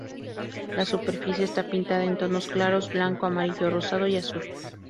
La superficie está pintada en tonos claros: blanco, amarillo rosado y azul.